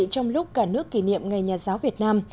trong lúc cả nước kỷ niệm ngày nhà giáo việt nam